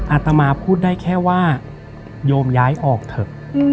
อาตมาพูดได้แค่ว่าโยมย้ายออกเถอะ